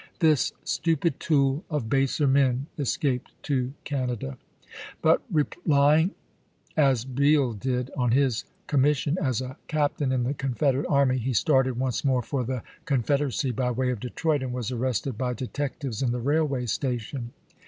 This stupid tool of baser men escaped to Canada ; but relying, as Beall did, on his commission as a captain in the Confederate army, he started once more for the Confederacy by way of Detroit, and was arrested by detectives in the railway station.